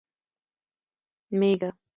🐑 مېږه